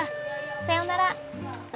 さようなら。